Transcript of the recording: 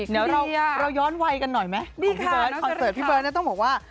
เดี๋ยวเราย้อนวัยกันหน่อยไหมของพี่เบิร์ตคอนเสิร์ตพี่เบิร์ตต้องบอกว่า